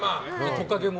トカゲは。